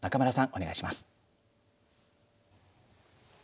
お願いします。